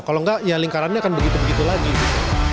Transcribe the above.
kalau enggak ya lingkarannya akan begitu begitu lagi gitu